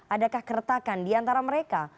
adakah keretakan di antara mereka